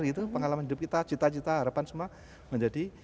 itu pengalaman hidup kita cita cita harapan semua menjadi